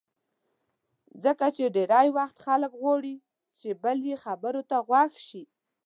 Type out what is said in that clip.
ځکه چې ډېری وخت خلک غواړي بل یې خبرو ته غوږ شي.